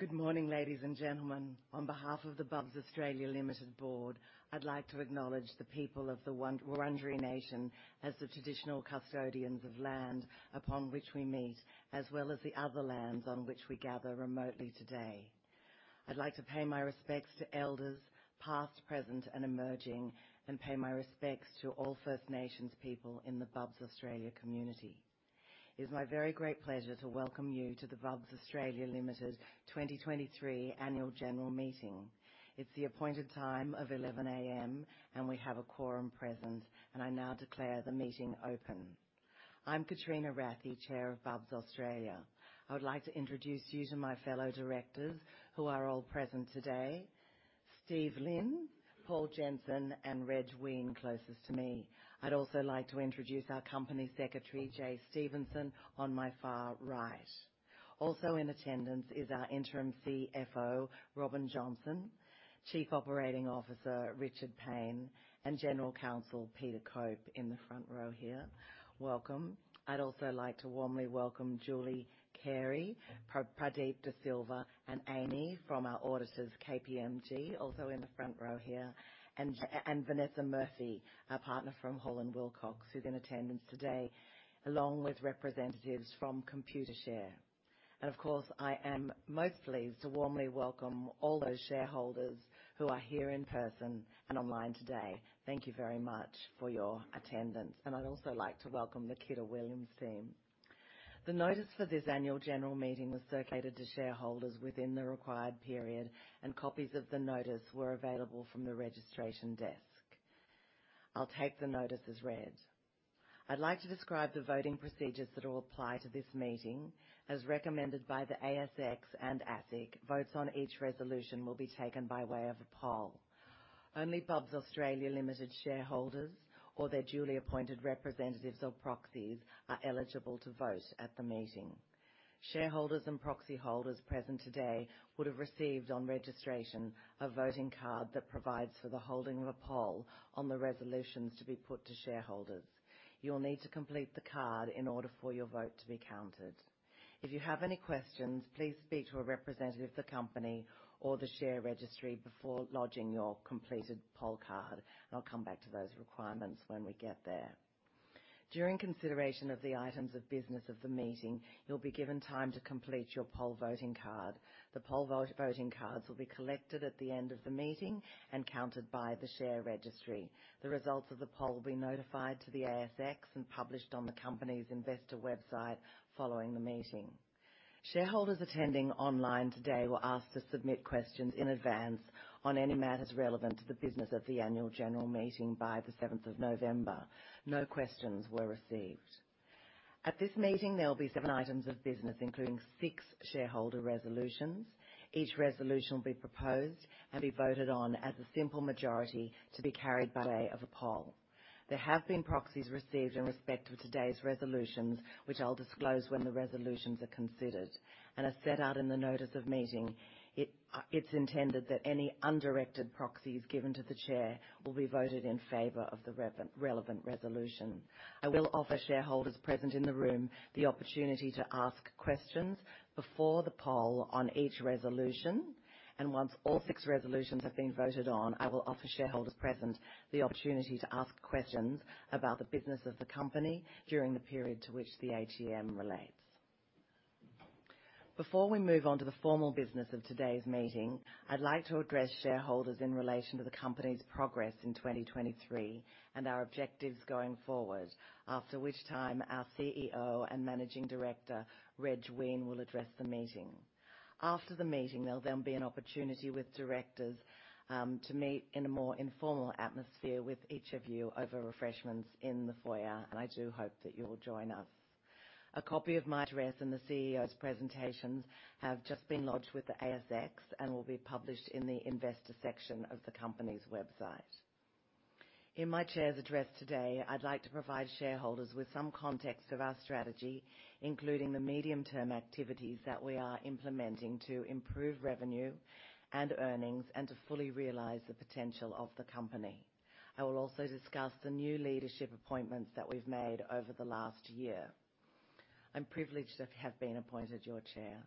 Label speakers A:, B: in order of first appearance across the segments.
A: Good morning, ladies and gentlemen. On behalf of the Bubs Australia Limited board, I'd like to acknowledge the people of the Wurundjeri Nation as the traditional custodians of land upon which we meet, as well as the other lands on which we gather remotely today. I'd like to pay my respects to elders, past, present, and emerging, and pay my respects to all First Nations people in the Bubs Australia community. It's my very great pleasure to welcome you to the Bubs Australia Limited 2023 annual general meeting. It's the appointed time of 11:00 A.M., and we have a quorum present, and I now declare the meeting open. I'm Katrina Rathie, Chair of Bubs Australia. I would like to introduce you to my fellow directors, who are all present today. Steve Lin, Paul Jensen, and Reg Weine, closest to me. I'd also like to introduce our Company Secretary, Jay Stephenson, on my far right. Also in attendance is our Interim CFO, Robin Johnson, Chief Operating Officer, Richard Paine, and General Counsel, Peter Cope, in the front row here. Welcome. I'd also like to warmly welcome Julie Carey, Pradeep De Silva, and Amy from our auditors, KPMG, also in the front row here, and Vanessa Murphy, our partner from Hall and Wilcox, who's in attendance today, along with representatives from Computershare. And of course, I am most pleased to warmly welcome all those shareholders who are here in person and online today. Thank you very much for your attendance, and I'd also like to welcome the Kidder Williams team. The notice for this annual general meeting was circulated to shareholders within the required period, and copies of the notice were available from the registration desk. I'll take the notice as read. I'd like to describe the voting procedures that will apply to this meeting, as recommended by the ASX and ASIC. Votes on each resolution will be taken by way of a poll. Only Bubs Australia Limited shareholders or their duly appointed representatives or proxies are eligible to vote at the meeting. Shareholders and proxy holders present today would have received on registration a voting card that provides for the holding of a poll on the resolutions to be put to shareholders. You'll need to complete the card in order for your vote to be counted. If you have any questions, please speak to a representative of the company or the share registry before lodging your completed poll card. I'll come back to those requirements when we get there. During consideration of the items of business of the meeting, you'll be given time to complete your poll voting card. The poll vote voting cards will be collected at the end of the meeting and counted by the share registry. The results of the poll will be notified to the ASX and published on the company's investor website following the meeting. Shareholders attending online today were asked to submit questions in advance on any matters relevant to the business of the annual general meeting by the seventh of November. No questions were received. At this meeting, there will be seven items of business, including six shareholder resolutions. Each resolution will be proposed and be voted on as a simple majority to be carried by way of a poll. There have been proxies received in respect of today's resolutions, which I'll disclose when the resolutions are considered. As set out in the notice of meeting, it's intended that any undirected proxies given to the Chair will be voted in favor of the relevant resolution. I will offer shareholders present in the room the opportunity to ask questions before the poll on each resolution, and once all six resolutions have been voted on, I will offer shareholders present the opportunity to ask questions about the business of the company during the period to which the AGM relates. Before we move on to the formal business of today's meeting, I'd like to address shareholders in relation to the company's progress in 2023 and our objectives going forward. After which time, our CEO and Managing Director, Reg Weine, will address the meeting. After the meeting, there'll then be an opportunity with directors to meet in a more informal atmosphere with each of you over refreshments in the foyer, and I do hope that you will join us. A copy of my address and the CEO's presentations have just been lodged with the ASX and will be published in the Investor section of the company's website. In my Chair's address today, I'd like to provide shareholders with some context of our strategy, including the medium-term activities that we are implementing to improve revenue and earnings and to fully realize the potential of the company. I will also discuss the new leadership appointments that we've made over the last year. I'm privileged to have been appointed your Chair.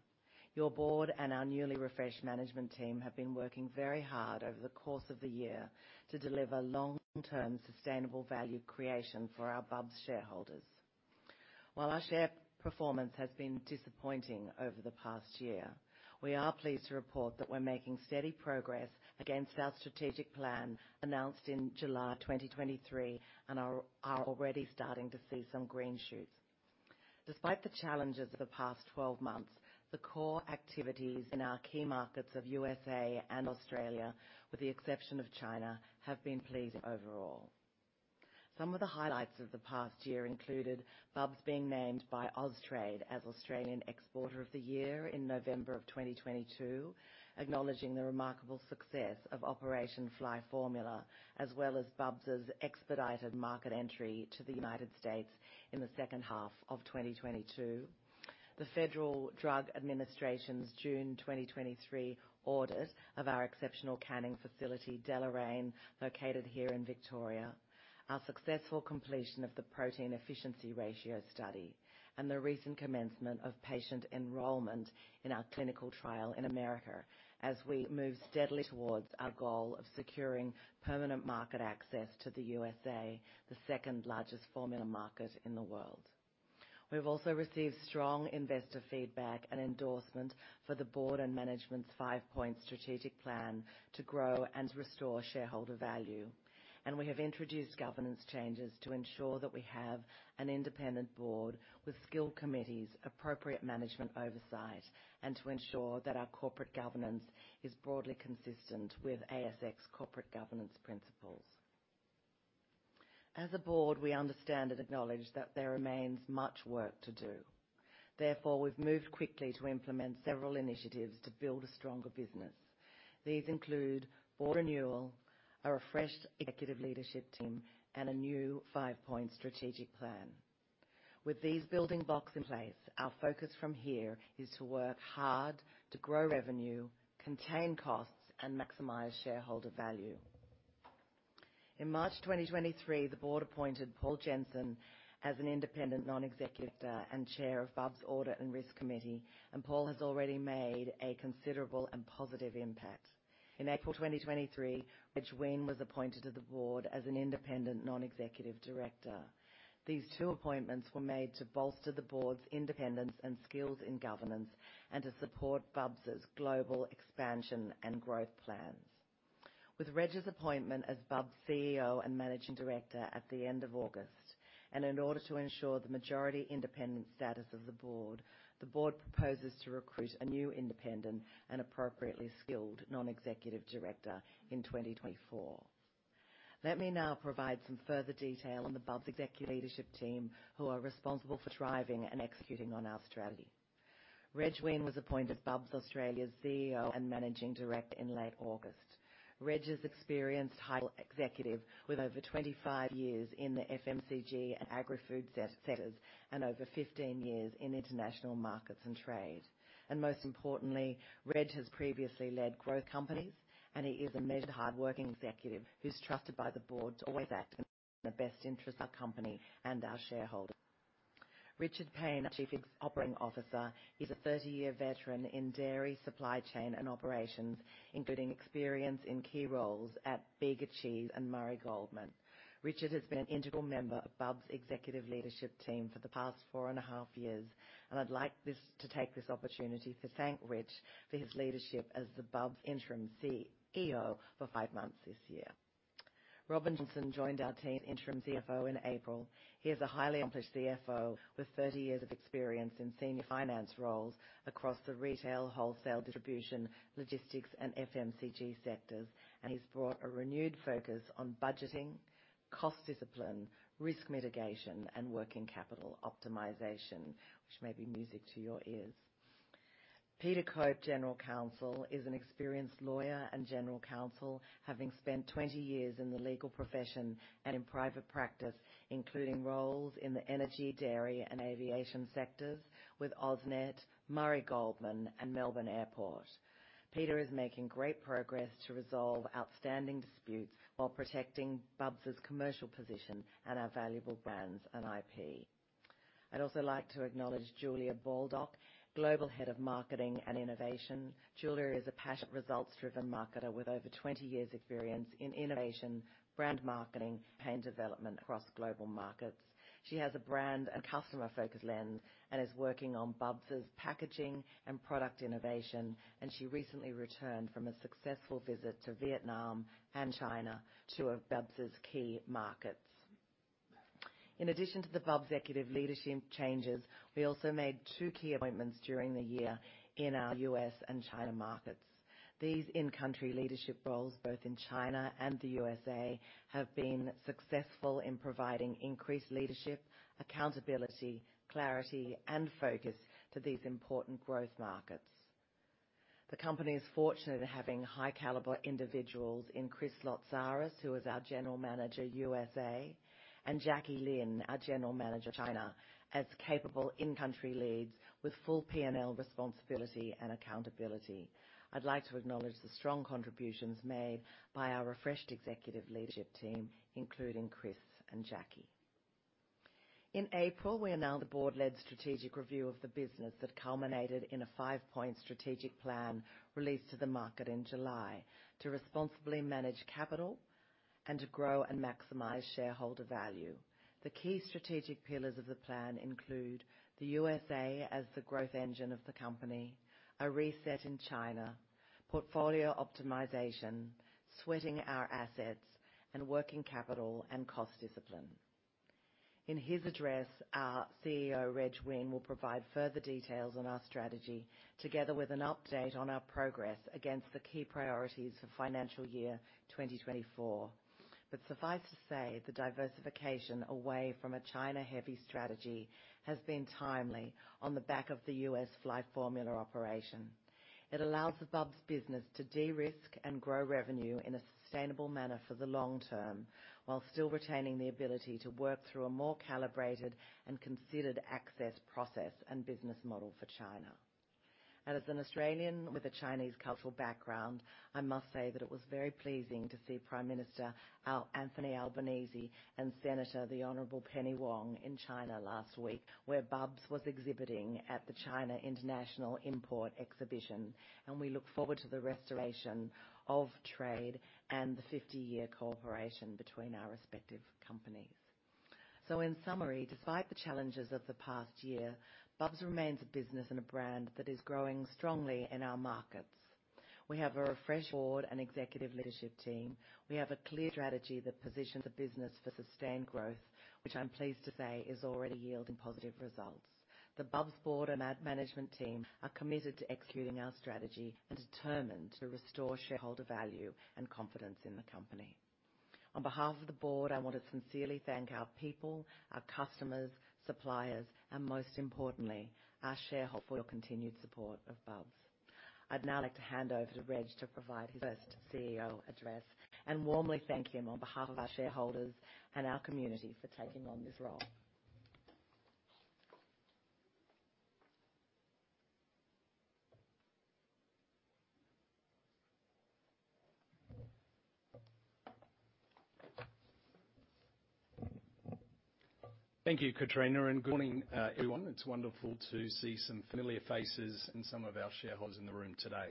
A: Your board and our newly refreshed management team have been working very hard over the course of the year to deliver long-term sustainable value creation for our Bubs shareholders. While our share performance has been disappointing over the past year, we are pleased to report that we're making steady progress against our strategic plan announced in July 2023 and are already starting to see some green shoots. Despite the challenges of the past 12 months, the core activities in our key markets of U.S.A and Australia, with the exception of China, have been pleased overall. Some of the highlights of the past year included Bubs being named by Austrade as Australian Exporter of the Year in November of 2022, acknowledging the remarkable success of Operation Fly Formula, as well as Bubs' expedited market entry to the United States in the second half of 2022. The Food and Drug Administration's June 2023 audit of our exceptional canning facility, Deloraine, located here in Victoria, our successful completion of the Protein Efficiency Ratio study, and the recent commencement of patient enrollment in our clinical trial in America as we move steadily towards our goal of securing permanent market access to the U.S.A, the second largest formula market in the world. We've also received strong investor feedback and endorsement for the board and management's five-point strategic plan to grow and restore shareholder value. We have introduced governance changes to ensure that we have an independent board with skilled committees, appropriate management oversight, and to ensure that our corporate governance is broadly consistent with ASX corporate governance principles. As a board, we understand and acknowledge that there remains much work to do. Therefore, we've moved quickly to implement several initiatives to build a stronger business. These include board renewal, a refreshed executive leadership team, and a new five-point strategic plan. With these building blocks in place, our focus from here is to work hard to grow revenue, contain costs, and maximize shareholder value. In March 2023, the board appointed Paul Jensen as an independent Non-Executive Director and Chair of Bubs Audit and Risk Committee, and Paul has already made a considerable and positive impact. In April 2023, Reg Weine was appointed to the board as an independent Non-Executive Director. These two appointments were made to bolster the board's independence and skills in governance and to support Bubs' global expansion and growth plans. With Reg's appointment as Bubs' CEO and Managing Director at the end of August, and in order to ensure the majority independent status of the board, the board proposes to recruit a new independent and appropriately skilled non-executive director in 2024. Let me now provide some further detail on the Bubs executive leadership team, who are responsible for driving and executing on our strategy. Reg Weine was appointed Bubs Australia's CEO and Managing Director in late August. Reg is experienced high executive with over 25 years in the FMCG and agri-food sectors, and over 15 years in international markets and trade. Most importantly, Reg has previously led growth companies, and he is a measured, hardworking executive who's trusted by the board to always act in the best interest of our company and our shareholders. Richard Paine, our Chief Operating Officer, is a 30-year veteran in dairy supply chain and operations, including experience in key roles at Bega Cheese and Murray Goulburn. Richard has been an integral member of Bubs' executive leadership team for the past 4.5 years, and I'd like to take this opportunity to thank Rich for his leadership as the Bubs interim CEO for 5 months this year. Robin Johnson joined our team as interim CFO in April. He is a highly accomplished CFO with 30 years of experience in senior finance roles across the retail, wholesale, distribution, logistics, and FMCG sectors, and he's brought a renewed focus on budgeting, cost discipline, risk mitigation, and working capital optimization, which may be music to your ears. Peter Cope, General Counsel, is an experienced lawyer and general counsel, having spent 20 years in the legal profession and in private practice, including roles in the energy, dairy, and aviation sectors with AusNet, Murray Goulburn, and Melbourne Airport. Peter is making great progress to resolve outstanding disputes while protecting Bubs' commercial position and our valuable brands and IP. I'd also like to acknowledge Julia Baldock, Global Head of Marketing and Innovation. Julia is a passionate, results-driven marketer with over 20 years experience in innovation, brand marketing, and development across global markets. She has a brand and customer-focused lens and is working on Bubs' packaging and product innovation, and she recently returned from a successful visit to Vietnam and China, two of Bubs' key markets. In addition to the Bubs executive leadership changes, we also made two key appointments during the year in our U.S. and China markets. These in-country leadership roles, both in China and the U.S.A, have been successful in providing increased leadership, accountability, clarity, and focus to these important growth markets. The company is fortunate in having high caliber individuals in Chris Lotsaris, who is our General Manager, U.S.A, and Jackie Lin, our General Manager, China, as capable in-country leads with full P&L responsibility and accountability. I'd like to acknowledge the strong contributions made by our refreshed executive leadership team, including Chris and Jackie. In April, we announced the board-led strategic review of the business that culminated in a five-point strategic plan released to the market in July to responsibly manage capital and to grow and maximize shareholder value. The key strategic pillars of the plan include: the U.S.A as the growth engine of the company, a reset in China, portfolio optimization, sweating our assets, and working capital and cost discipline. In his address, our CEO, Reg Weine, will provide further details on our strategy, together with an update on our progress against the key priorities for financial year 2024. Suffice to say, the diversification away from a China-heavy strategy has been timely on the back of the Operation Fly Formula. It allows the Bubs business to de-risk and grow revenue in a sustainable manner for the long term, while still retaining the ability to work through a more calibrated and considered access process and business model for China. As an Australian with a Chinese cultural background, I must say that it was very pleasing to see Prime Minister Anthony Albanese and Senator, the Honorable Penny Wong, in China last week, where Bubs was exhibiting at the China International Import Exhibition, and we look forward to the restoration of trade and the 50-year cooperation between our respective companies. So in summary, despite the challenges of the past year, Bubs remains a business and a brand that is growing strongly in our markets. We have a refreshed board and executive leadership team. We have a clear strategy that positions the business for sustained growth, which I'm pleased to say is already yielding positive results. The Bubs board and our management team are committed to executing our strategy and determined to restore shareholder value and confidence in the company. On behalf of the board, I want to sincerely thank our people, our customers, suppliers, and most importantly, our shareholders for your continued support of Bubs. I'd now like to hand over to Reg to provide his first CEO address, and warmly thank him on behalf of our shareholders and our community for taking on this role.
B: Thank you, Katrina, and good morning, everyone. It's wonderful to see some familiar faces and some of our shareholders in the room today.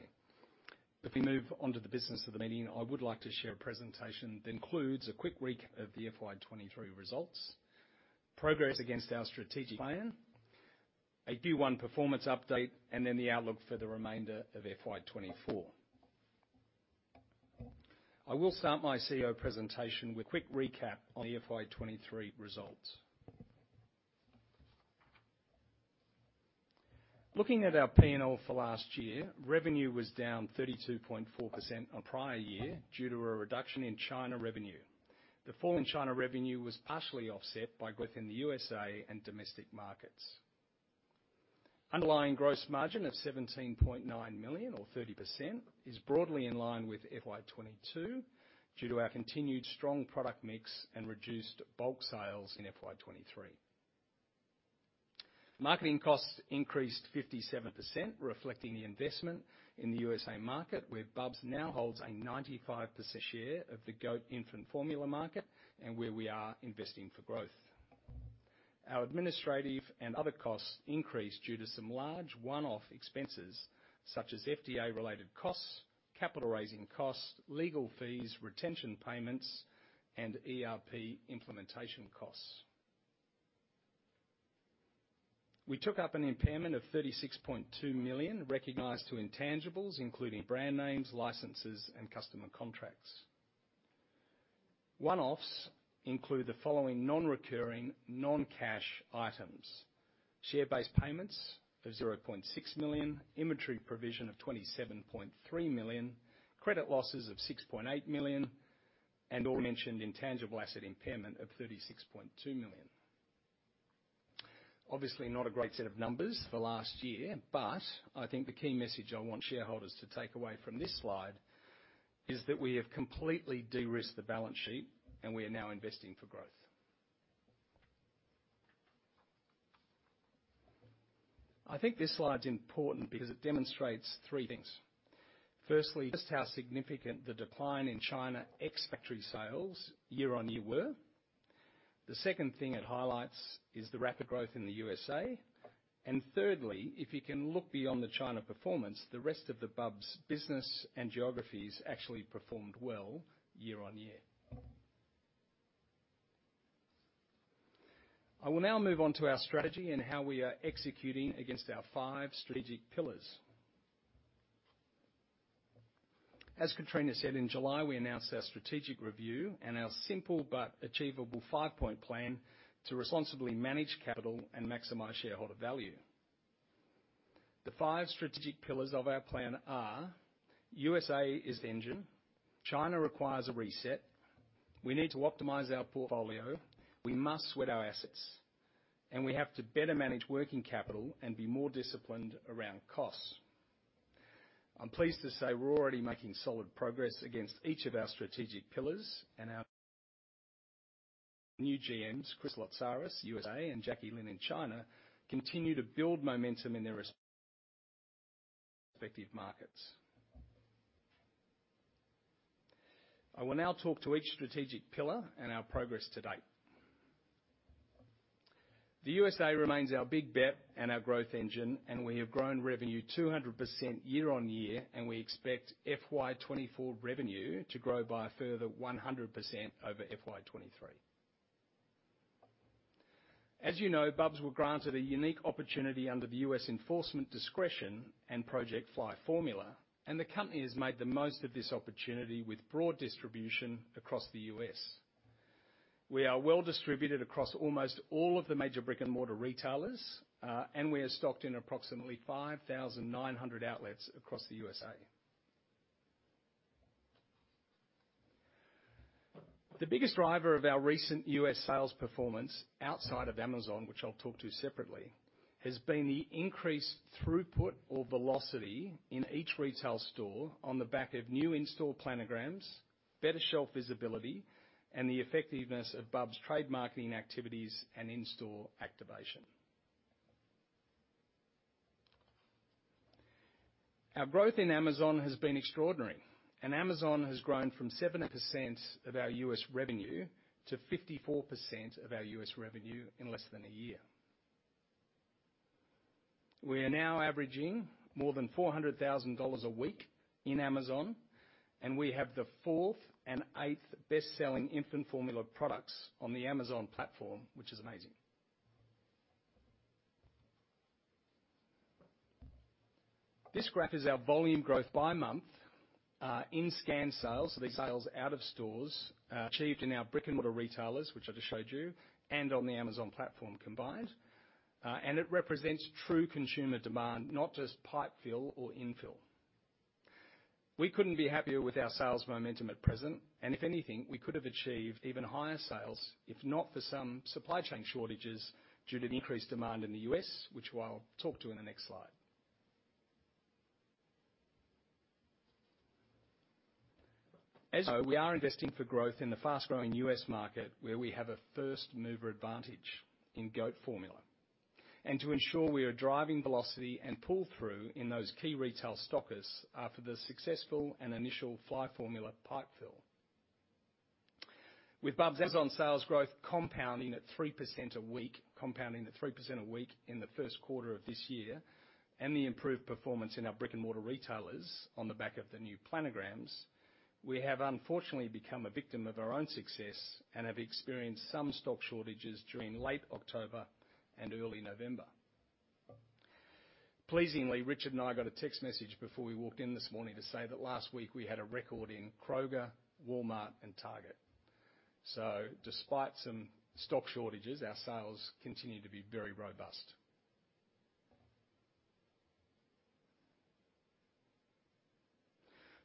B: If we move on to the business of the meeting, I would like to share a presentation that includes a quick recap of the FY 2023 results, progress against our strategic plan, a Q1 performance update, and then the outlook for the remainder of FY 2024. I will start my CEO presentation with a quick recap on the FY 2023 results. Looking at our P&L for last year, revenue was down 32.4% on prior year due to a reduction in China revenue. The fall in China revenue was partially offset by growth in the U.S.A and domestic markets. Underlying gross margin of 17.9 million, or 30%, is broadly in line with FY 2022 due to our continued strong product mix and reduced bulk sales in FY 2023. Marketing costs increased 57%, reflecting the investment in the U.S.A market, where Bubs now holds a 95% share of the goat infant formula market and where we are investing for growth. Our administrative and other costs increased due to some large one-off expenses, such as FDA-related costs, capital raising costs, legal fees, retention payments, and ERP implementation costs. We took up an impairment of 36.2 million, recognized to intangibles, including brand names, licenses, and customer contracts. One-offs include the following: non-recurring, non-cash items, share-based payments of 0.6 million, inventory provision of 27.3 million, credit losses of 6.8 million, and aforementioned intangible asset impairment of 36.2 million. Obviously, not a great set of numbers for last year, but I think the key message I want shareholders to take away from this slide is that we have completely de-risked the balance sheet and we are now investing for growth. I think this slide is important because it demonstrates three things. Firstly, just how significant the decline in China ex-factory sales year-on-year were. The second thing it highlights is the rapid growth in the U.S.A. And thirdly, if you can look beyond the China performance, the rest of the Bubs business and geographies actually performed well year-on-year. I will now move on to our strategy and how we are executing against our five strategic pillars. As Katrina said, in July, we announced our strategic review and our simple but achievable five-point plan to responsibly manage capital and maximize shareholder value. The five strategic pillars of our plan are: U.S.A is the engine, China requires a reset, we need to optimize our portfolio, we must sweat our assets, and we have to better manage working capital and be more disciplined around costs. I'm pleased to say we're already making solid progress against each of our strategic pillars and our new GMs, Chris Lotsaris, U.S.A, and Jackie Lin in China, continue to build momentum in their respective markets. I will now talk to each strategic pillar and our progress to date. The U.S.A remains our big bet and our growth engine, and we have grown revenue 200% year-on-year, and we expect FY 2024 revenue to grow by a further 100% over FY 2023. As you know, Bubs were granted a unique opportunity under the U.S. Enforcement Discretion and Operation Fly Formula, and the company has made the most of this opportunity with broad distribution across the U.S. We are well distributed across almost all of the major brick-and-mortar retailers, and we are stocked in approximately 5,900 outlets across the U.S.A. The biggest driver of our recent U.S. sales performance, outside of Amazon, which I'll talk to separately, has been the increased throughput or velocity in each retail store on the back of new in-store planograms, better shelf visibility, and the effectiveness of Bubs trade marketing activities and in-store activation. Our growth in Amazon has been extraordinary, and Amazon has grown from 7% of our U.S. revenue to 54% of our U.S. revenue in less than a year. We are now averaging more than $400,000 a week in Amazon, and we have the fourth and eighth best-selling infant formula products on the Amazon platform, which is amazing. This graph is our volume growth by month, in-scan sales. So these are sales out of stores, achieved in our brick-and-mortar retailers, which I just showed you, and on the Amazon platform combined. And it represents true consumer demand, not just pipe fill or infill. We couldn't be happier with our sales momentum at present, and if anything, we could have achieved even higher sales, if not for some supply chain shortages due to the increased demand in the U.S., which I'll talk to in the next slide. As we are investing for growth in the fast-growing U.S market, where we have a first-mover advantage in goat formula, and to ensure we are driving velocity and pull-through in those key retail stockers, for the successful and initial Fly Formula pipe fill. With Bubs' Amazon sales growth compounding at 3% a week, compounding at 3% a week in the first quarter of this year, and the improved performance in our brick-and-mortar retailers on the back of the new planograms, we have unfortunately become a victim of our own success and have experienced some stock shortages during late October and early November. Pleasingly, Richard and I got a text message before we walked in this morning to say that last week we had a record in Kroger, Walmart, and Target. So despite some stock shortages, our sales continue to be very robust.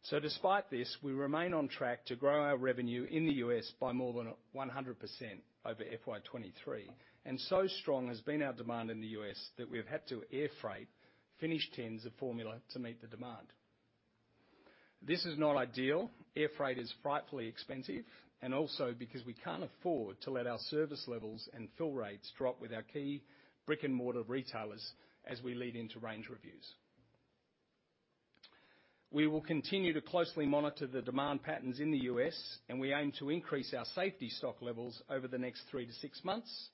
B: So despite this, we remain on track to grow our revenue in the U.S by more than 100% over FY 2023. And so strong has been our demand in the US that we have had to air freight finished tins of formula to meet the demand. This is not ideal. Air freight is frightfully expensive and also because we can't afford to let our service levels and fill rates drop with our key brick-and-mortar retailers as we lead into range reviews. We will continue to closely monitor the demand patterns in the US, and we aim to increase our safety stock levels over the next three to six months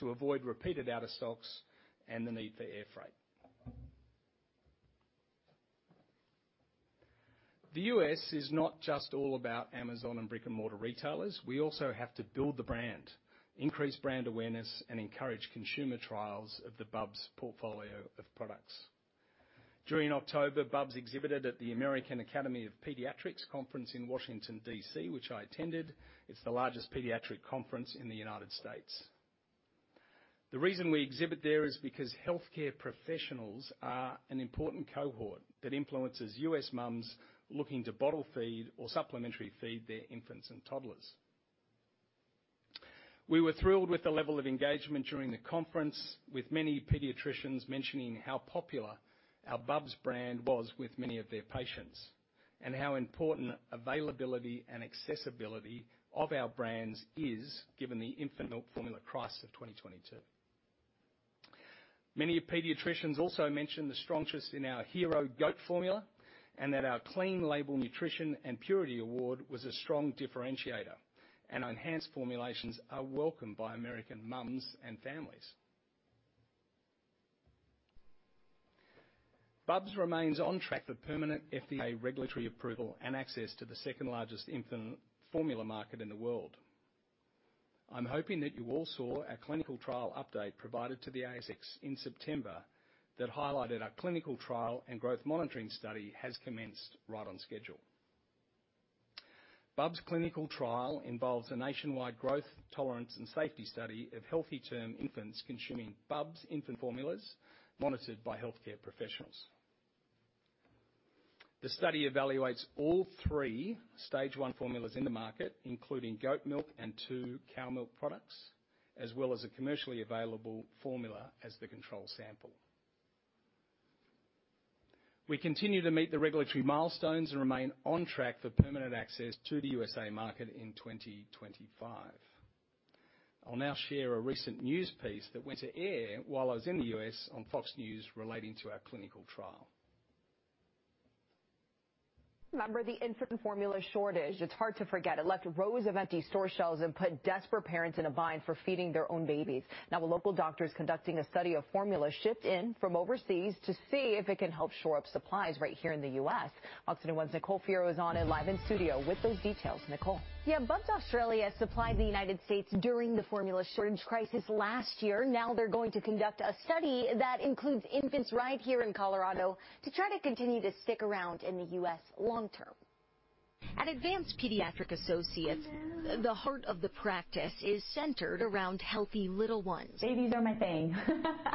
B: to avoid repeated out-of-stocks and the need for air freight. The U.S is not just all about Amazon and brick-and-mortar retailers. We also have to build the brand, increase brand awareness, and encourage consumer trials of the Bubs portfolio of products. During October, Bubs exhibited at the American Academy of Pediatrics conference in Washington, D.C., which I attended. It's the largest pediatric conference in the United States. The reason we exhibit there is because healthcare professionals are an important cohort that influences U.S. moms looking to bottle feed or supplementary feed their infants and toddlers. We were thrilled with the level of engagement during the conference, with many pediatricians mentioning how popular our Bubs brand was with many of their patients and how important availability and accessibility of our brands is, given the infant milk formula crisis of 2022. Many pediatricians also mentioned the strengths in our hero goat formula and that our Clean Label Nutrition and Purity Award was a strong differentiator, and enhanced formulations are welcomed by American moms and families. Bubs remains on track for permanent FDA regulatory approval and access to the second-largest infant formula market in the world. I'm hoping that you all saw our clinical trial update provided to the ASX in September that highlighted our clinical trial, and growth monitoring study has commenced right on schedule. Bubs' clinical trial involves a nationwide growth, tolerance, and safety study of healthy term infants consuming Bubs infant formulas monitored by healthcare professionals. The study evaluates all three stage one formulas in the market, including goat milk and two cow milk products, as well as a commercially available formula as the control sample. We continue to meet the regulatory milestones and remain on track for permanent access to the U.S.A market in 2025. I'll now share a recent news piece that went to air while I was in the U.S. on Fox News relating to our clinical trial.
C: Remember the infant formula shortage? It's hard to forget. It left rows of empty store shelves and put desperate parents in a bind for feeding their own babies. Now, a local doctor is conducting a study of formula shipped in from overseas to see if it can help shore up supplies right here in the U.S. Fox News' Nicole Fierro is on it live in studio with those details. Nicole?
D: Yeah, Bubs Australia supplied the United States during the formula shortage crisis last year. Now they're going to conduct a study that includes infants right here in Colorado to try to continue to stick around in the U.S. long term. At Advanced Pediatric Associates, the heart of the practice is centered around healthy little ones.
E: Babies are my thing.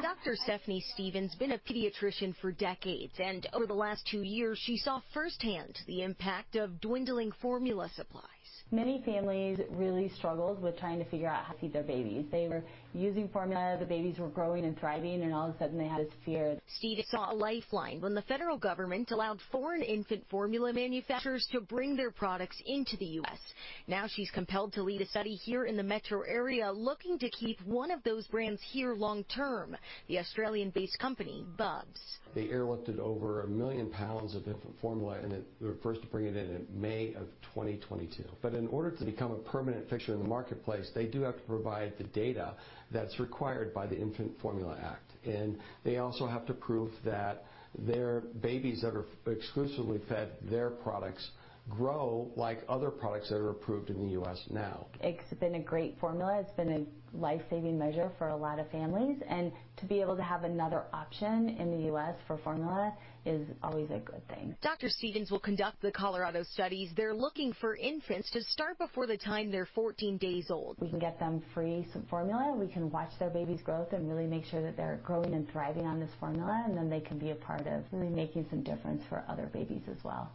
D: Dr. Stephanie Stevens has been a pediatrician for decades, and over the last 2 years, she saw firsthand the impact of dwindling formula supplies.
E: Many families really struggled with trying to figure out how to feed their babies. They were using formula, the babies were growing and thriving, and all of a sudden, they had this fear.
D: Stevens saw a lifeline when the federal government allowed foreign infant formula manufacturers to bring their products into the U.S. Now, she's compelled to lead a study here in the metro area, looking to keep one of those brands here long term, the Australian-based company, Bubs.
F: They airlifted over 1 million pounds of infant formula, and they were first to bring it in in May of 2022. But in order to become a permanent fixture in the marketplace, they do have to provide the data that's required by the Infant Formula Act, and they also have to prove that their babies that are exclusively fed their products grow like other products that are approved in the U.S. now.
E: It's been a great formula. It's been a life-saving measure for a lot of families, and to be able to have another option in the U.S. for formula is always a good thing.
D: Dr. Stevens will conduct the Colorado studies. They're looking for infants to start before the time they're 14 days old.
E: We can get them free formula. We can watch their baby's growth and really make sure that they're growing and thriving on this formula, and then they can be a part of really making some difference for other babies as well.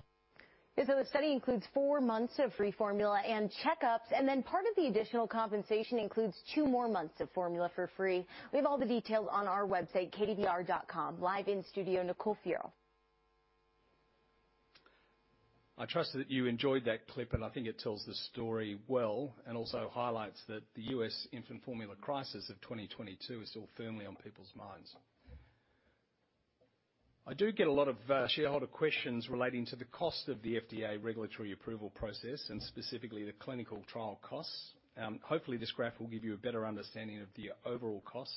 D: And so the study includes four months of free formula and checkups, and then part of the additional compensation includes two more months of formula for free. We have all the details on our website, KDVR.com. Live in-studio, Nicole Fierro.
B: I trust that you enjoyed that clip, and I think it tells the story well, and also highlights that the U.S. infant formula crisis of 2022 is still firmly on people's minds. I do get a lot of shareholder questions relating to the cost of the FDA regulatory approval process and specifically the clinical trial costs. Hopefully, this graph will give you a better understanding of the overall costs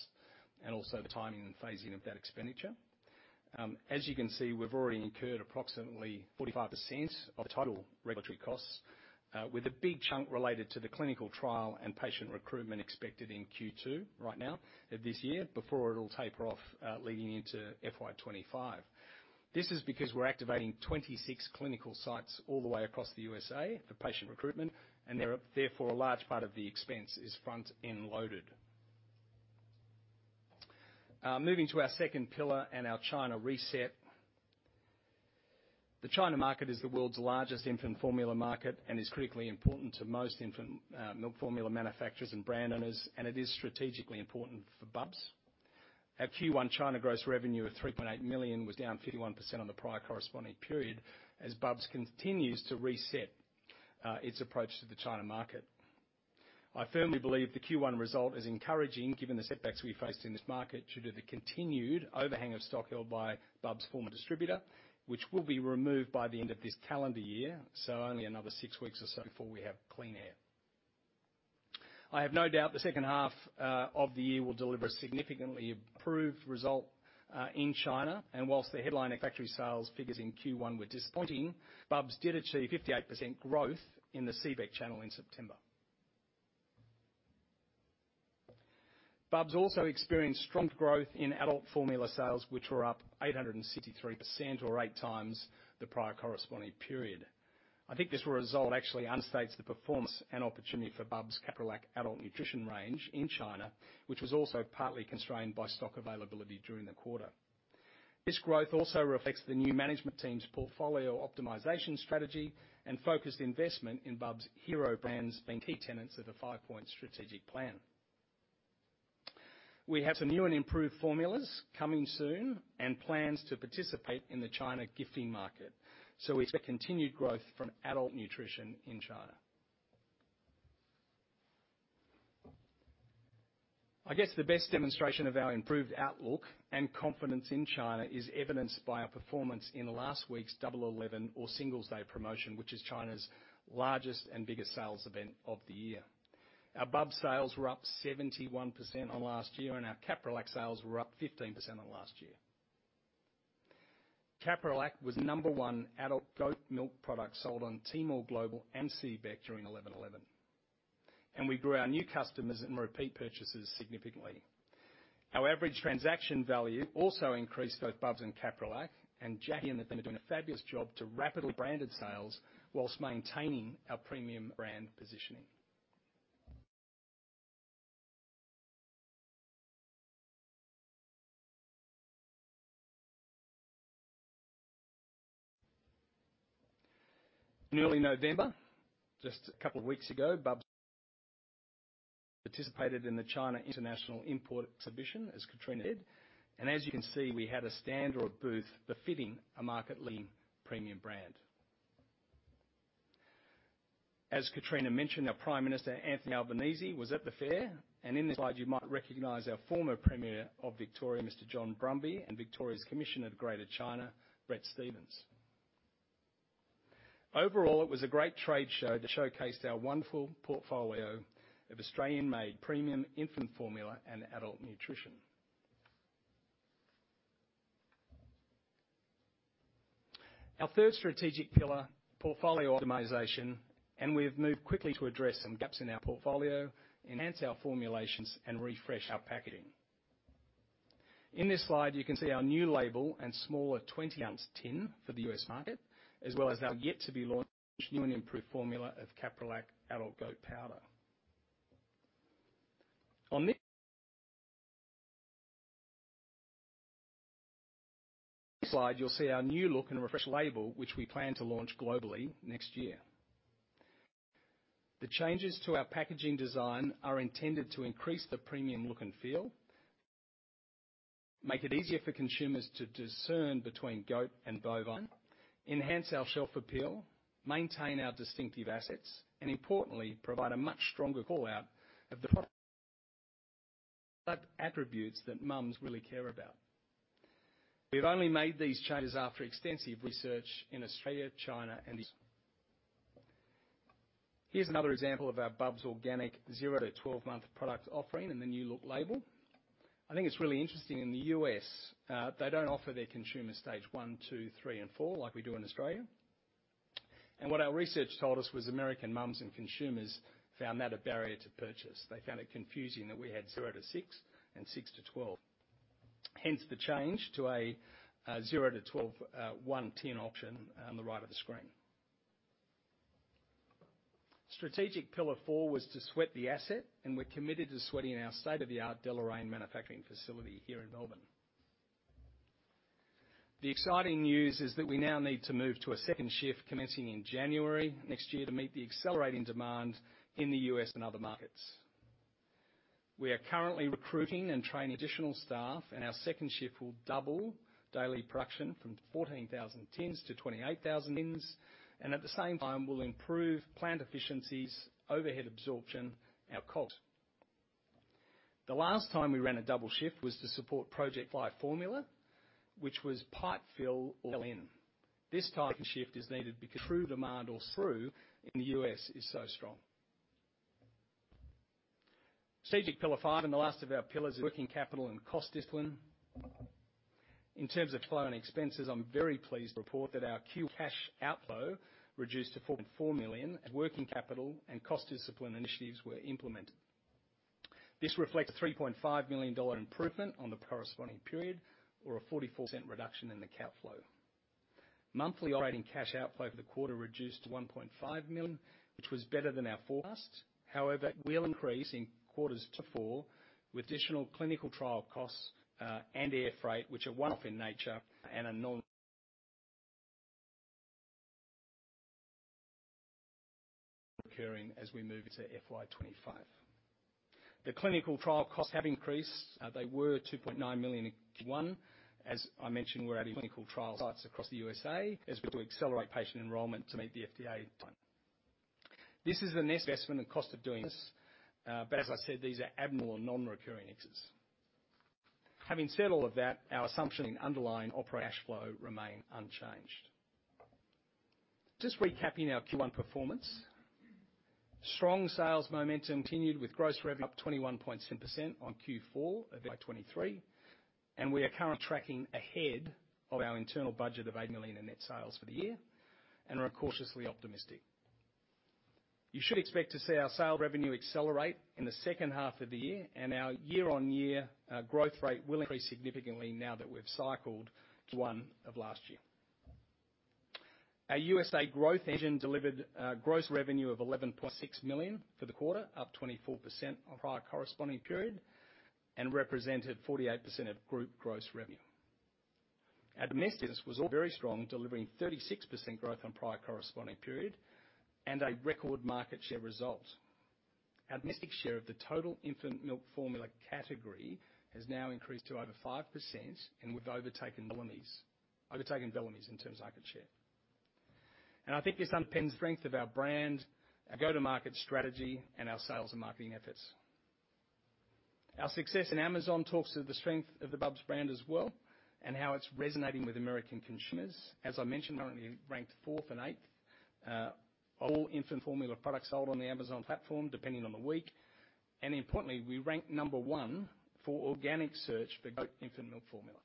B: and also the timing and phasing of that expenditure. As you can see, we've already incurred approximately 45% of the total regulatory costs, with a big chunk related to the clinical trial and patient recruitment expected in Q2, right now, of this year, before it'll taper off, leading into FY 2025. This is because we're activating 26 clinical sites all the way across the U.S.A for patient recruitment, and, therefore, a large part of the expense is front-end loaded. Moving to our second pillar and our China reset. The China market is the world's largest infant formula market and is critically important to most infant milk formula manufacturers and brand owners, and it is strategically important for Bubs. Our Q1 China gross revenue of 3.8 million was down 51% on the prior corresponding period, as Bubs continues to reset its approach to the China market. I firmly believe the Q1 result is encouraging given the setbacks we faced in this market due to the continued overhang of stock held by Bubs' former distributor, which will be removed by the end of this calendar year, so only another six weeks or so before we have clean air. I have no doubt the second half of the year will deliver a significantly improved result in China, and while the headline factory sales figures in Q1 were disappointing, Bubs did achieve 58% growth in the CBEC channel in September. Bubs also experienced strong growth in adult formula sales, which were up 863% or 8x the prior corresponding period. I think this result actually understates the performance and opportunity for Bubs Caprilac Adult Nutrition range in China, which was also partly constrained by stock availability during the quarter. This growth also reflects the new management team's portfolio optimization strategy and focused investment in Bubs' hero brands being key tenants of the five-point strategic plan. We have some new and improved formulas coming soon and plans to participate in the China gifting market, so we see continued growth from adult nutrition in China. I guess, the best demonstration of our improved outlook and confidence in China is evidenced by our performance in last week's Double Eleven or Singles Day promotion, which is China's largest and biggest sales event of the year. Our Bubs sales were up 71% on last year, and our Caprilac sales were up 15% on last year. Caprilac was number one adult goat milk product sold on Tmall Global and CBEC during Double Eleven, and we grew our new customers and repeat purchases significantly. Our average transaction value also increased, both Bubs and Caprilac, and Jackie and the team are doing a fabulous job to rapidly branded sales whilst maintaining our premium brand positioning. In early November, just a couple of weeks ago, Bubs participated in the China International Import Exhibition, as Katrina said, and as you can see, we had a stand or a booth befitting a market-leading premium brand. As Katrina mentioned, our Prime Minister, Anthony Albanese, was at the fair, and in this slide, you might recognize our former Premier of Victoria, Mr. John Brumby, and Victoria's Commissioner to Greater China, Brett Stevens. Overall, it was a great trade show that showcased our wonderful portfolio of Australian-made premium infant formula and adult nutrition. Our third strategic pillar, portfolio optimization, and we've moved quickly to address some gaps in our portfolio, enhance our formulations, and refresh our packaging. In this slide, you can see our new label and smaller 20-ounce tin for the U.S. market, as well as our yet-to-be-launched new and improved formula of Caprilac adult goat powder. On this slide, you'll see our new look and refreshed label, which we plan to launch globally next year. The changes to our packaging design are intended to increase the premium look and feel, make it easier for consumers to discern between goat and bovine, enhance our shelf appeal, maintain our distinctive assets, and importantly, provide a much stronger call-out of the product attributes that moms really care about. We've only made these changes after extensive research in Australia, China, and the U.S. Here's another example of our Bubs Organic zero- to 12-month product offering and the new-look label. I think it's really interesting, in the U.S., they don't offer their consumer stage one, two, three, and four like we do in Australia. And what our research told us was American moms and consumers found that a barrier to purchase. They found it confusing that we had zero to six and six to 12. Hence, the change to a, zero to 12, one tin option on the right of the screen. Strategic pillar four was to sweat the asset, and we're committed to sweating our state-of-the-art Deloraine manufacturing facility here in Melbourne. The exciting news is that we now need to move to a second shift, commencing in January next year, to meet the accelerating demand in the U.S. and other markets. We are currently recruiting and training additional staff, and our second shift will double daily production from 14,000 tins to 28,000 tins, and at the same time, will improve plant efficiencies, overhead absorption, and cost. The last time we ran a double shift was to support Operation Fly Formula, which was pipe fill or fill in. This type of shift is needed because true demand throughput in the U.S is so strong. Strategic pillar five, and the last of our pillars, is working capital and cost discipline. In terms of cash flow and expenses, I'm very pleased to report that our Q cash outflow reduced to 4.4 million, as working capital and cost discipline initiatives were implemented. This reflects a 3.5 million dollar improvement on the corresponding period, or a 44% reduction in the cash flow. Monthly operating cash outflow for the quarter reduced to 1.5 million, which was better than our forecast. However, it will increase in quarters 2 to 4, with additional clinical trial costs, and air freight, which are one-off in nature and are non-recurring as we move into FY 2025. The clinical trial costs have increased. They were 2.9 million in Q1. As I mentioned, we're adding clinical trial sites across the U.S.A as we look to accelerate patient enrollment to meet the FDA time. This is the next investment and cost of doing this, but as I said, these are abnormal, non-recurring expenses. Having said all of that, our assumption in underlying operating cash flow remain unchanged. Just recapping our Q1 performance. Strong sales momentum continued with gross revenue up 21.7% on Q4 of FY 2023, and we are currently tracking ahead of our internal budget of 80 million in net sales for the year and are cautiously optimistic. You should expect to see our sales revenue accelerate in the second half of the year, and our year-on-year growth rate will increase significantly now that we've cycled to one of last year. Our U.S.A growth engine delivered gross revenue of 11.6 million for the quarter, up 24% on prior corresponding period, and represented 48% of group gross revenue. Our domestic was all very strong, delivering 36% growth on prior corresponding period and a record market share result. Our domestic share of the total infant milk formula category has now increased to over 5%, and we've overtaken Bellamy's. Overtaken Bellamy's in terms of market share. I think this underpins the strength of our brand, our go-to-market strategy, and our sales and marketing efforts. Our success in Amazon talks to the strength of the Bubs brand as well, and how it's resonating with American consumers. As I mentioned, currently ranked 4th and 8th, all infant formula products sold on the Amazon platform, depending on the week. Importantly, we rank number one for organic search for goat infant milk formula.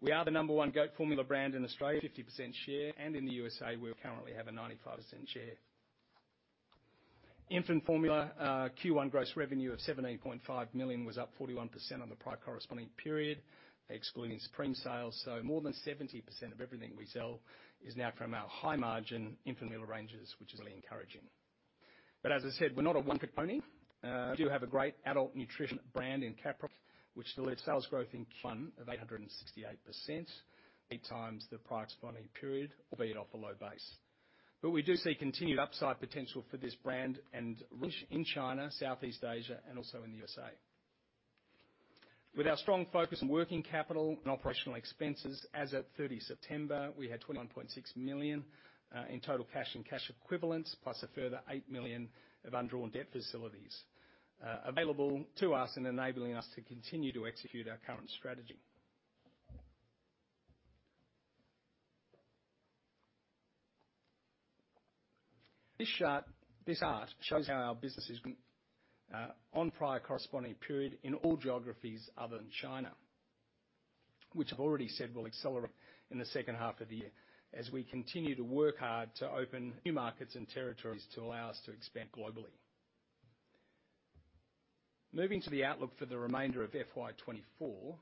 B: We are the number one goat formula brand in Australia, 50% share, and in the U.S.A, we currently have a 95% share. Infant formula, Q1 gross revenue of 17.5 million was up 41% on the prior corresponding period, excluding Supreme sales. So more than 70% of everything we sell is now from our high-margin infant formula ranges, which is really encouraging. But as I said, we're not a one-trick pony. We do have a great adult nutrition brand in Caprilac, which delivered sales growth in Q1 of 868%, 8 times the prior corresponding period, albeit off a low base. But we do see continued upside potential for this brand and reach in China, Southeast Asia and also in the U.S.A. With our strong focus on working capital and operational expenses, as at 30 September, we had 21.6 million in total cash and cash equivalents, plus a further 8 million of undrawn debt facilities available to us and enabling us to continue to execute our current strategy. This chart, this chart shows how our business is on prior corresponding period in all geographies other than China, which I've already said will accelerate in the second half of the year as we continue to work hard to open new markets and territories to allow us to expand globally. Moving to the outlook for the remainder of FY 2024,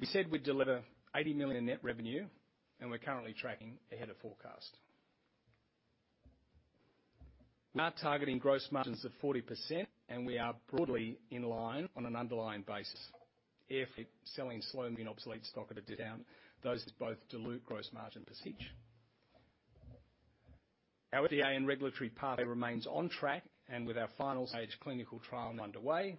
B: we said we'd deliver 80 million net revenue, and we're currently tracking ahead of forecast. We are targeting gross margins of 40%, and we are broadly in line on an underlying basis. We're selling slow-moving, obsolete stock at a discount. Those both dilute gross margin percentage. Our FDA and regulatory pathway remains on track, and with our final stage clinical trial underway.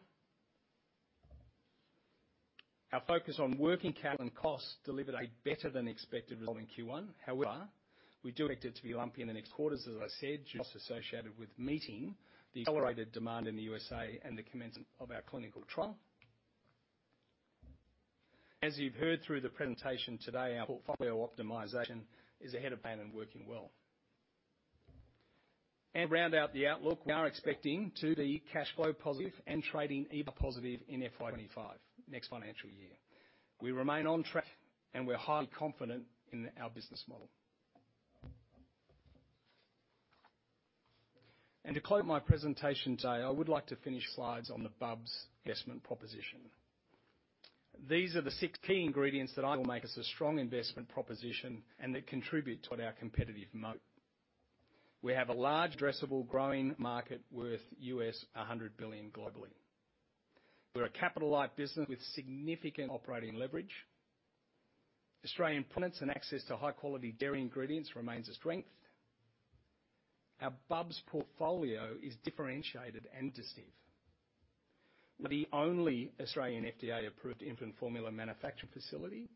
B: Our focus on working capital and costs delivered a better-than-expected result in Q1. However, we do expect it to be lumpier in the next quarters, as I said, just associated with meeting the accelerated demand in the U.S.A and the commencement of our clinical trial. As you've heard through the presentation today, our portfolio optimization is ahead of plan and working well. To round out the outlook, we are expecting to be cash flow positive and trading EBITDA positive in FY 25, next financial year. We remain on track, and we're highly confident in our business model. To close my presentation today, I would like to finish slides on the Bubs investment proposition. These are the six key ingredients that I will make us a strong investment proposition and that contribute to our competitive moat. We have a large addressable growing market worth $100 billion globally. We're a capital-light business with significant operating leverage. Australian products and access to high-quality dairy ingredients remains a strength. Our Bubs portfolio is differentiated and distinctive. We're the only Australian FDA-approved infant formula manufacturing facility,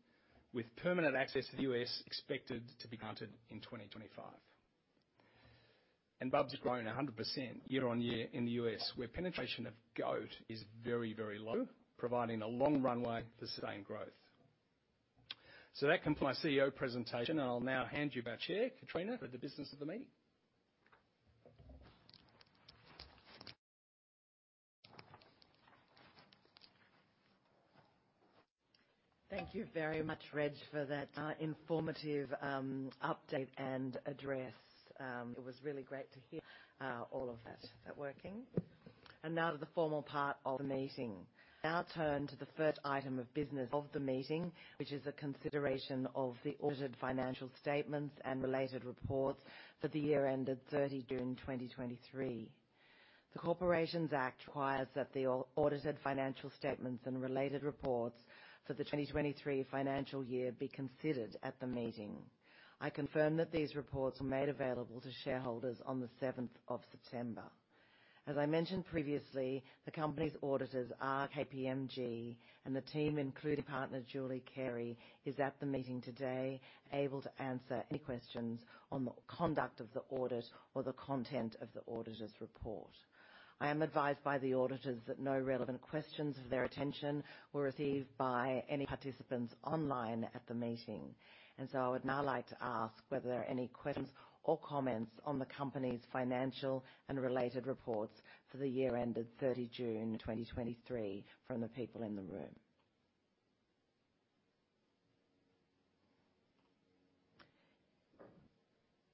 B: with permanent access to the U.S. expected to be granted in 2025. Bubs is growing 100% year-on-year in the U.S., where penetration of goat is very, very low, providing a long runway for sustained growth. That concludes my CEO presentation, and I'll now hand you back, Chair Katrina, for the business of the meeting.
A: Thank you very much, Reg, for that, informative, update and address. It was really great to hear all of that, that working. And now to the formal part of the meeting. We now turn to the first item of business of the meeting, which is a consideration of the audited financial statements and related reports for the year ended 30 June 2023. The Corporations Act requires that the audited financial statements and related reports for the 2023 financial year be considered at the meeting. I confirm that these reports were made available to shareholders on the seventh of September. As I mentioned previously, the Company's auditors are KPMG, and the team, including Partner Julie Carey, is at the meeting today, able to answer any questions on the conduct of the audit or the content of the auditor's report. I am advised by the auditors that no relevant questions of their attention were received by any participants online at the meeting, and so I would now like to ask whether there are any questions or comments on the Company's financial and related reports for the year ended 30 June 2023 from the people in the room?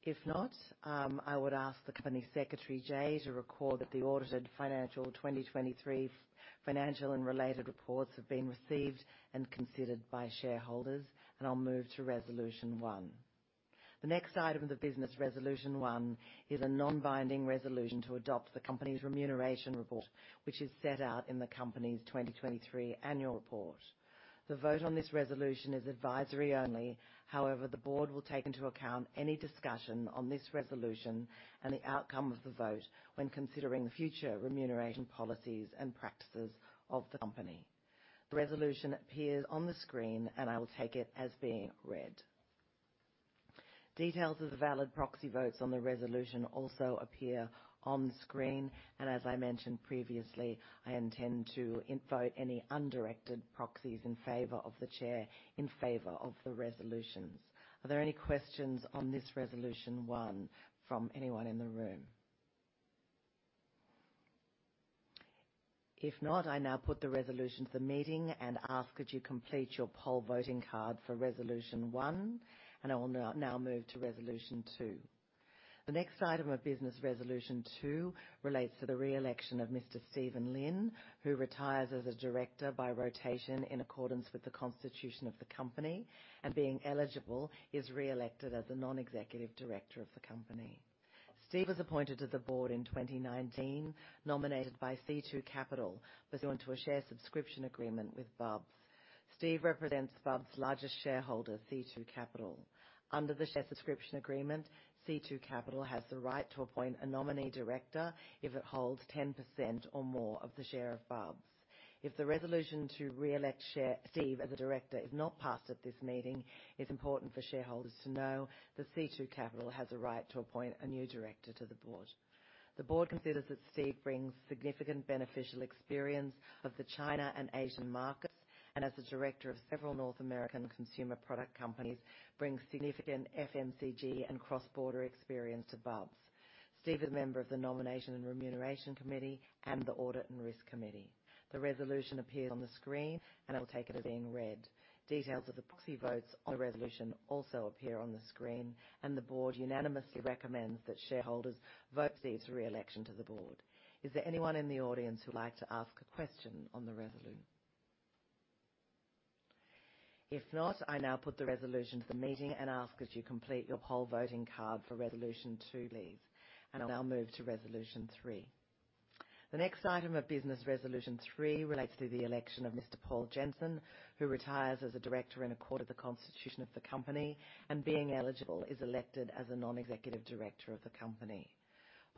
A: If not, I would ask the Company Secretary, Jay, to record that the audited financial 2023 financial and related reports have been received and considered by shareholders, and I'll move to Resolution One. The next item of the business, Resolution One, is a non-binding resolution to adopt the Company's remuneration report, which is set out in the Company's 2023 annual report. The vote on this resolution is advisory only. However, the Board will take into account any discussion on this resolution and the outcome of the vote when considering the future remuneration, policies, and practices of the company. The resolution appears on the screen, and I will take it as being read. Details of the valid proxy votes on the resolution also appear on screen, and as I mentioned previously, I intend to invite any undirected proxies in favor of the chair, in favor of the resolutions. Are there any questions on this Resolution One from anyone in the room? If not, I now put the resolution to the meeting and ask that you complete your poll voting card for Resolution One, and I will now move to Resolution Two. The next item of business, Resolution Two, relates to the re-election of Mr. Steve Lin, who retires as a director by rotation in accordance with the constitution of the Company, and being eligible, is re-elected as a non-executive director of the Company. Steve was appointed to the Board in 2019, nominated by C2 Capital, pursuant to a share subscription agreement with Bubs. Steve represents Bubs' largest shareholder, C2 Capital. Under the share subscription agreement, C2 Capital has the right to appoint a nominee director if it holds 10% or more of the shares of Bubs. If the resolution to re-elect Steve as a director is not passed at this meeting, it's important for shareholders to know that C2 Capital has a right to appoint a new director to the Board. The Board considers that Steve brings significant beneficial experience of the China and Asian markets, and as a director of several North American consumer product companies, brings significant FMCG and cross-border experience to Bubs. Steve is a member of the Nomination and Remuneration Committee and the Audit and Risk Committee. The resolution appears on the screen, and I will take it as being read. Details of the proxy votes on the resolution also appear on the screen, and the Board unanimously recommends that shareholders vote Steve's re-election to the Board. Is there anyone in the audience who would like to ask a question on the resolution? If not, I now put the resolution to the meeting and ask that you complete your poll voting card for Resolution Two, please. I'll now move to Resolution Three. The next item of business, Resolution Three, relates to the election of Mr.Paul Jensen, who retires as a director in accordance with the constitution of the company, and being eligible, is elected as a non-executive director of the company.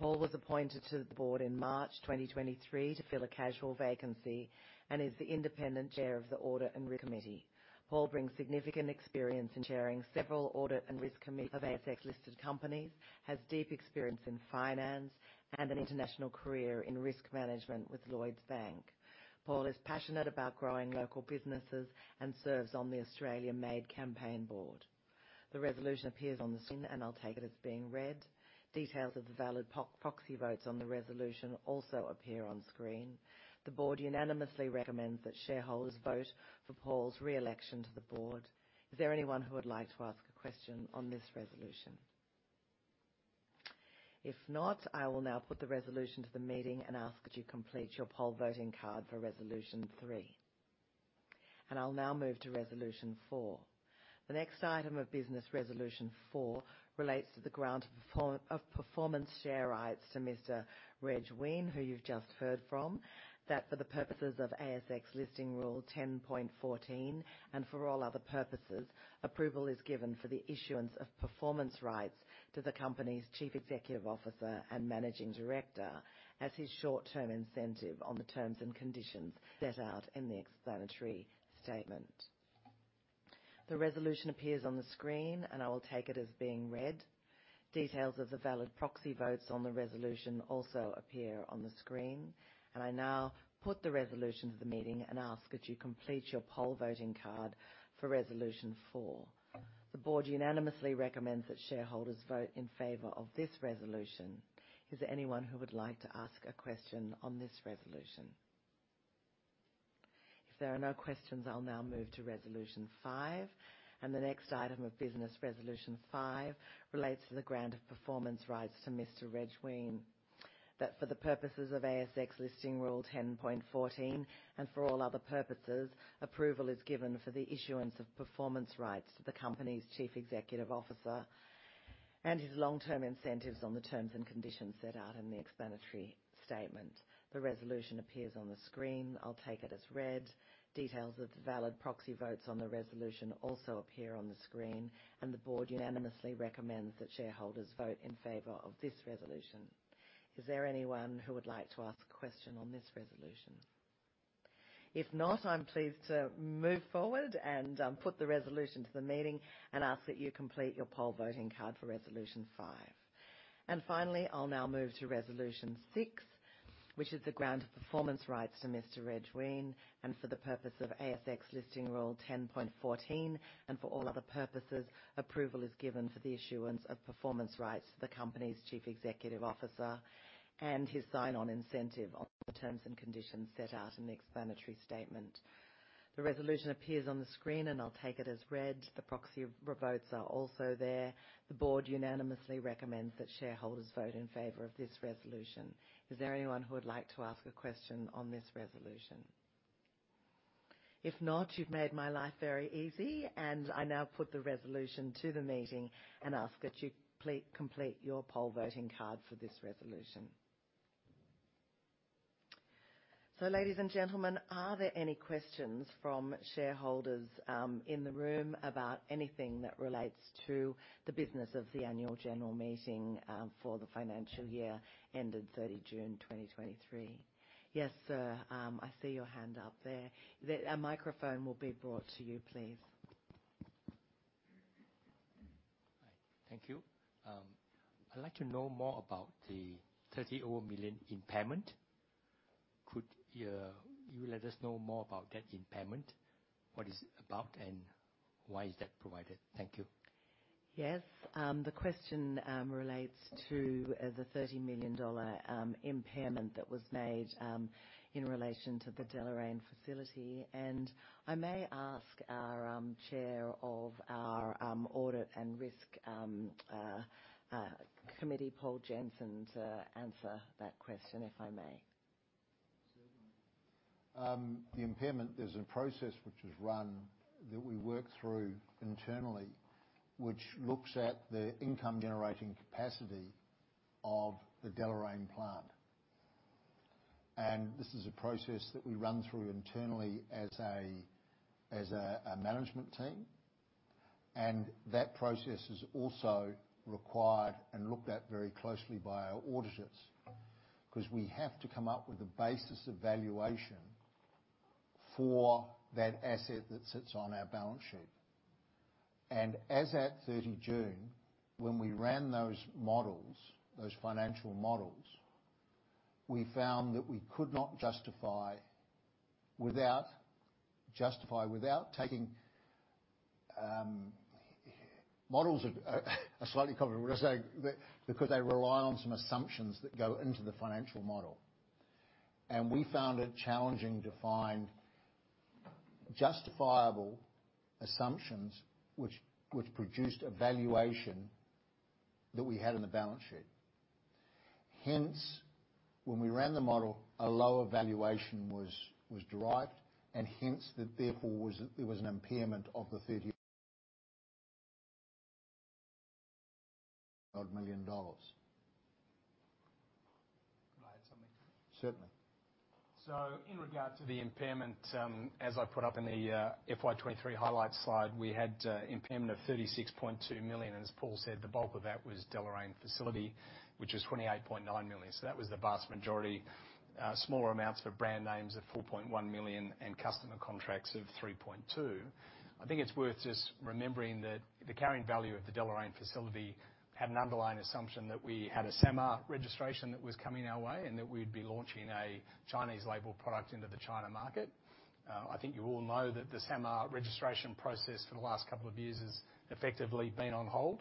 A: Paul was appointed to the board in March 2023 to fill a casual vacancy, and is the independent chair of the Audit and Risk Committee. Paul brings significant experience in chairing several audit and risk committees of ASX-listed companies, has deep experience in finance, and an international career in risk management with Lloyds Bank. Paul is passionate about growing local businesses and serves on the Australian Made Campaign board. The resolution appears on the screen, and I'll take it as being read. Details of the valid proxy votes on the resolution also appear on screen. The board unanimously recommends that shareholders vote for Paul's re-election to the board. Is there anyone who would like to ask a question on this resolution? If not, I will now put the resolution to the meeting and ask that you complete your poll voting card for Resolution Three. I'll now move to Resolution Four. The next item of business, Resolution Four, relates to the grant of performance share rights to Mr. Reg Weine, who you've just heard from, that for the purposes of ASX Listing Rule 10.14, and for all other purposes, approval is given for the issuance of performance rights to the company's Chief Executive Officer and Managing Director, as his short-term incentive on the terms and conditions set out in the explanatory statement. The resolution appears on the screen, and I will take it as being read. Details of the valid proxy votes on the resolution also appear on the screen, and I now put the resolution to the meeting and ask that you complete your poll voting card for Resolution Four. The board unanimously recommends that shareholders vote in favor of this resolution. Is there anyone who would like to ask a question on this resolution? If there are no questions, I'll now move to Resolution Five. The next item of business, Resolution Five, relates to the grant of performance rights to Mr. Reg Weine. That for the purposes of ASX Listing Rule 10.14, and for all other purposes, approval is given for the issuance of performance rights to the company's Chief Executive Officer and his long-term incentives on the terms and conditions set out in the explanatory statement. The resolution appears on the screen. I'll take it as read. Details of the valid proxy votes on the resolution also appear on the screen, and the board unanimously recommends that shareholders vote in favor of this resolution. Is there anyone who would like to ask a question on this resolution? If not, I'm pleased to move forward and put the resolution to the meeting and ask that you complete your poll voting card for Resolution Five. And finally, I'll now move to Resolution Six, which is the grant of performance rights to Mr. Reg Weine, and for the purpose of ASX Listing Rule 10.14, and for all other purposes, approval is given for the issuance of performance rights to the company's Chief Executive Officer and his sign-on incentive on the terms and conditions set out in the explanatory statement. The resolution appears on the screen, and I'll take it as read. The proxy of votes are also there. The board unanimously recommends that shareholders vote in favor of this resolution. Is there anyone who would like to ask a question on this resolution? If not, you've made my life very easy, and I now put the resolution to the meeting and ask that you please complete your poll voting card for this resolution. So, ladies and gentlemen, are there any questions from shareholders in the room about anything that relates to the business of the annual general meeting for the financial year ending 30 June 2023? Yes, sir, I see your hand up there. A microphone will be brought to you, please.
G: Hi, thank you. I'd like to know more about the 30-odd million impairment. Could you let us know more about that impairment? What is it about, and why is that provided? Thank you.
A: Yes. The question relates to the 30 million dollar impairment that was made in relation to the Deloraine facility, and I may ask our Chair of the Audit and Risk Committee, Paul Jensen, to answer that question, if I may.
H: The impairment is a process which is run, that we work through internally, which looks at the income-generating capacity of the Deloraine plant. And this is a process that we run through internally as a management team. And that process is also required and looked at very closely by our auditors, 'cause we have to come up with a basis of valuation for that asset that sits on our balance sheet. And as at 30 June, when we ran those models, those financial models, we found that we could not justify without taking, models are slightly complicated, but we'll say that because they rely on some assumptions that go into the financial model. And we found it challenging to find justifiable assumptions which produced a valuation that we had on the balance sheet.... hence, when we ran the model, a lower valuation was derived, and hence, there was an impairment of the 30-odd million dollars.
B: Can I add something?
H: Certainly.
B: In regard to the impairment, as I put up in the FY 2023 highlight slide, we had impairment of 36.2 million, and as Paul said, the bulk of that was Deloraine facility, which was 28.9 million. That was the vast majority, smaller amounts for brand names of 4.1 million, and customer contracts of 3.2 million. I think it's worth just remembering that the carrying value of the Deloraine facility had an underlying assumption that we had a SAMR registration that was coming our way, and that we'd be launching a Chinese label product into the China market. I think you all know that the SAMR registration process for the last couple of years has effectively been on hold.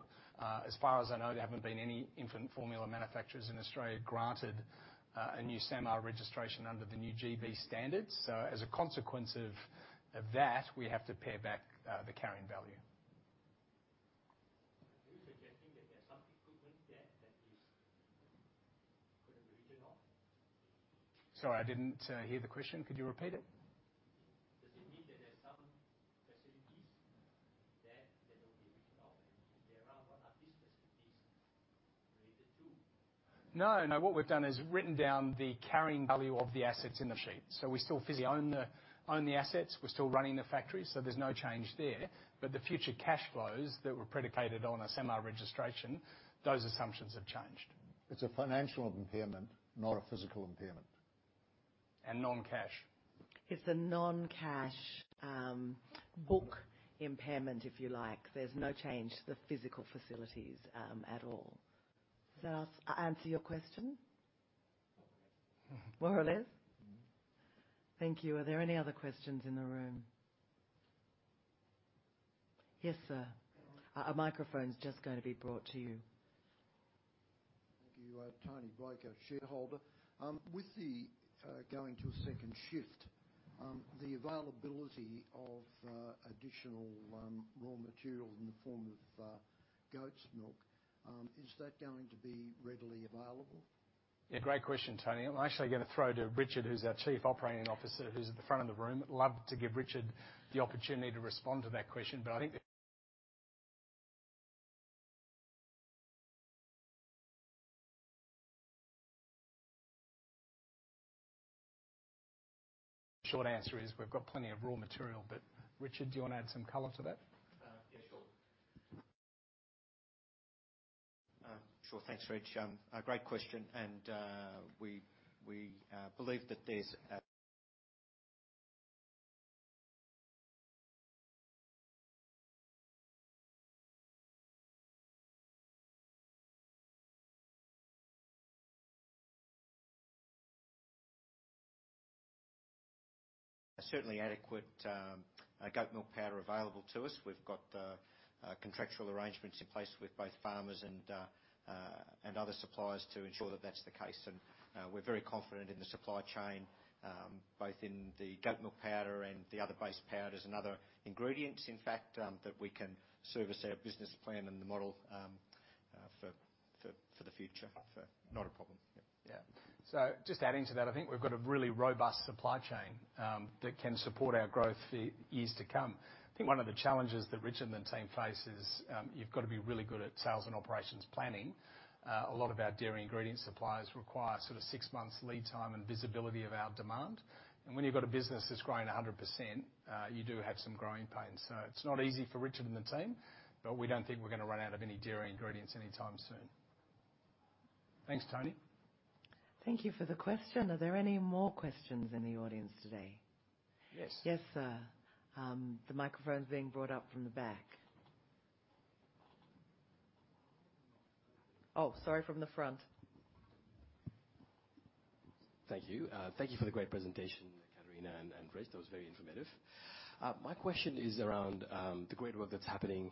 B: As far as I know, there haven't been any infant formula manufacturers in Australia granted a new SAMR registration under the new GB Standards. So as a consequence of that, we have to pare back the carrying value.
G: Are you suggesting that there's some equipment there that is, could be written off?
B: Sorry, I didn't hear the question. Could you repeat it?
G: Does it mean that there are some facilities there that will be written off, and if there are, what are these facilities related to?
B: No, no. What we've done is written down the carrying value of the assets in the sheet. So we still own the assets. We're still running the factories, so there's no change there. But the future cash flows that were predicated on a SAMR registration, those assumptions have changed.
H: It's a financial impairment, not a physical impairment.
B: And non-cash.
A: It's a non-cash, book impairment, if you like. There's no change to the physical facilities, at all. Does that answer your question? More or less?
G: Mm-hmm.
A: Thank you. Are there any other questions in the room? Yes, sir. A microphone's just going to be brought to you.
I: Thank you. Tony Blake, a shareholder. With the going to a second shift, the availability of additional raw materials in the form of goat's milk, is that going to be readily available?
B: Yeah, great question, Tony. I'm actually gonna throw to Richard, who's our Chief Operating Officer, who's at the front of the room. Love to give Richard the opportunity to respond to that question, but I think the short answer is we've got plenty of raw material, but Richard, do you want to add some color to that?
J: Yeah, sure. Sure. Thanks, Reg. A great question, and we believe that there's certainly adequate goat milk powder available to us. We've got contractual arrangements in place with both farmers and other suppliers to ensure that that's the case. And we're very confident in the supply chain both in the goat milk powder and the other base powders and other ingredients, in fact, that we can service our business plan and the model for the future. So not a problem.
B: Yeah. So just adding to that, I think we've got a really robust supply chain that can support our growth for years to come. I think one of the challenges that Richard and the team face is, you've got to be really good at sales and operations planning. A lot of our dairy ingredient suppliers require sort of six months lead time and visibility of our demand. And when you've got a business that's growing 100%, you do have some growing pains. So it's not easy for Richard and the team, but we don't think we're gonna run out of any dairy ingredients anytime soon. Thanks, Tony.
A: Thank you for the question. Are there any more questions in the audience today?
H: Yes.
A: Yes, sir. The microphone is being brought up from the back. Oh, sorry, from the front.
K: Thank you. Thank you for the great presentation, Katrina and Reg. That was very informative. My question is around the great work that's happening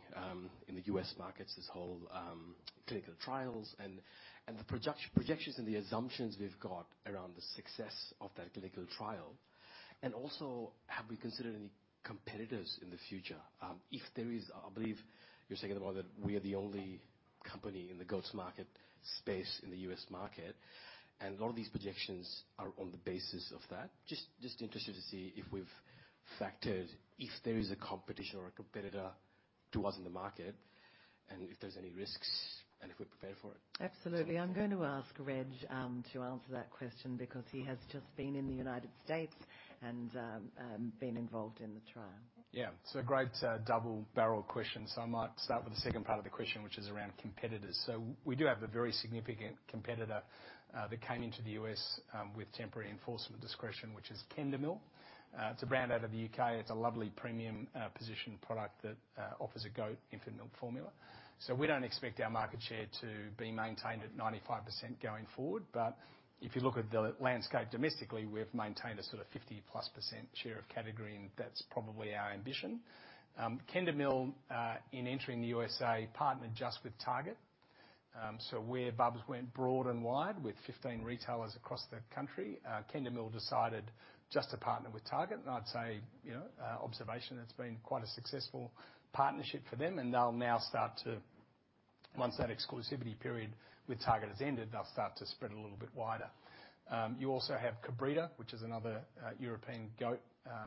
K: in the U.S. markets, this whole clinical trials and the projections and the assumptions we've got around the success of that clinical trial. And also, have we considered any competitors in the future? If there is, I believe you're saying that we are the only company in the goat market space in the U.S. market, and a lot of these projections are on the basis of that. Just interested to see if we've factored, if there is a competition or a competitor to us in the market, and if there's any risks, and if we're prepared for it.
A: Absolutely. I'm going to ask Reg to answer that question because he has just been in the United States and been involved in the trial.
B: Yeah. So great, double-barreled question. So I might start with the second part of the question, which is around competitors. So we do have a very significant competitor, that came into the U.S., with temporary enforcement discretion, which is Kendamil. It's a brand out of the U.K. It's a lovely, premium, positioned product that, offers a goat infant formula. So we don't expect our market share to be maintained at 95% going forward. But if you look at the landscape domestically, we've maintained a sort of 50%+ share of category, and that's probably our ambition. Kendamil, in entering the U.S.A., partnered just with Target. So where Bubs went broad and wide with 15 retailers across the country, Kendamil decided just to partner with Target, and I'd say, you know, observation, it's been quite a successful partnership for them, and they'll now start to... Once that exclusivity period with Target has ended, they'll start to spread a little bit wider. You also have Kabrita, which is another European goat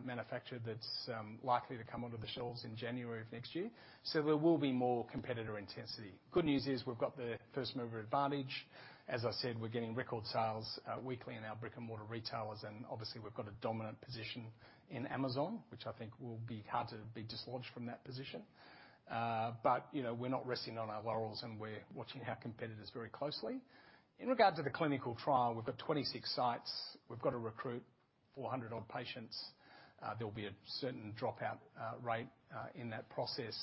B: manufacturer that's likely to come onto the shelves in January of next year. So there will be more competitor intensity. Good news is, we've got the first mover advantage. As I said, we're getting record sales weekly in our brick-and-mortar retailers, and obviously, we've got a dominant position in Amazon, which I think will be hard to be dislodged from that position. But, you know, we're not resting on our laurels, and we're watching our competitors very closely. In regard to the clinical trial, we've got 26 sites. We've got to recruit 400-odd patients. There'll be a certain dropout rate in that process.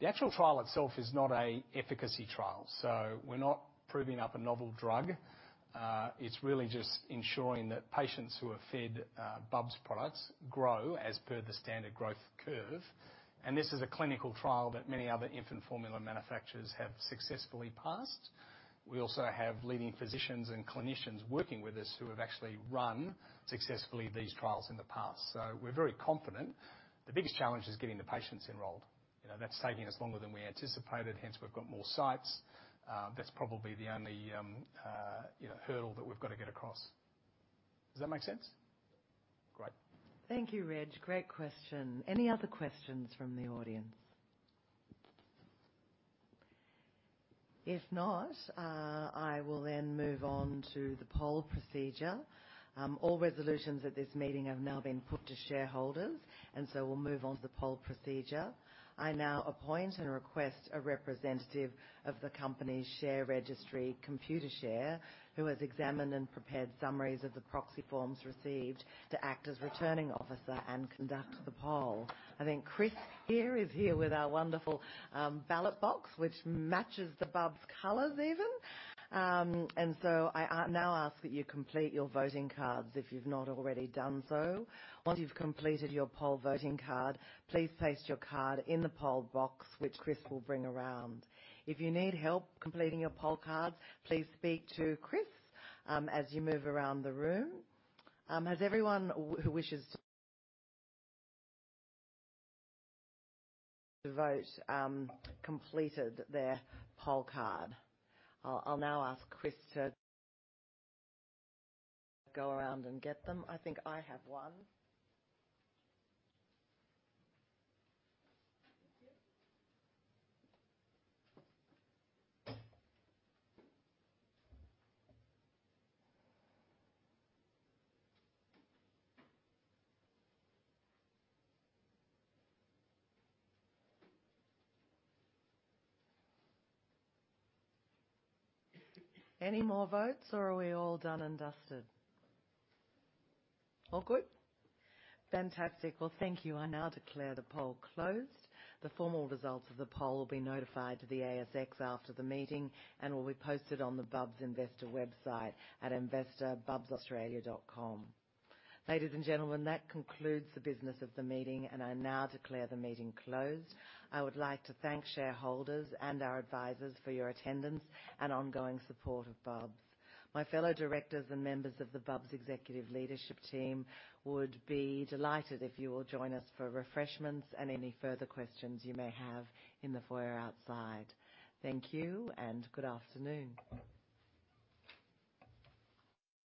B: The actual trial itself is not an efficacy trial, so we're not proving up a novel drug. It's really just ensuring that patients who are fed Bubs products grow as per the standard growth curve. And this is a clinical trial that many other infant formula manufacturers have successfully passed. We also have leading physicians and clinicians working with us who have actually run, successfully, these trials in the past, so we're very confident. The biggest challenge is getting the patients enrolled. You know, that's taking us longer than we anticipated, hence, we've got more sites. That's probably the only, you know, hurdle that we've got to get across. Does that make sense? Great.
A: Thank you, Reg. Great question. Any other questions from the audience? If not, I will then move on to the poll procedure. All resolutions at this meeting have now been put to shareholders, and so we'll move on to the poll procedure. I now appoint and request a representative of the company's share registry, Computershare, who has examined and prepared summaries of the proxy forms received, to act as Returning Officer and conduct the poll. I think Chris here is here with our wonderful ballot box, which matches the Bubs colors even. And so I n ow ask that you complete your voting cards if you've not already done so. Once you've completed your poll voting card, please place your card in the poll box, which Chris will bring around. If you need help completing your poll card, please speak to Chris, as you move around the room. Has everyone who wishes to vote completed their poll card? I'll now ask Chris to go around and get them. I think I have one. Any more votes, or are we all done and dusted? All good. Fantastic. Well, thank you. I now declare the poll closed. The formal results of the poll will be notified to the ASX after the meeting and will be posted on the Bubs investor website at investor.bubsaustralia.com. Ladies and gentlemen, that concludes the business of the meeting, and I now declare the meeting closed. I would like to thank shareholders and our advisors for your attendance and ongoing support of Bubs. My fellow directors and members of the Bubs executive leadership team would be delighted if you will join us for refreshments and any further questions you may have in the foyer outside. Thank you, and good afternoon.